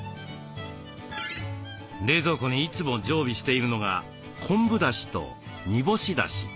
冷蔵庫にいつも常備しているのが昆布だしと煮干しだし。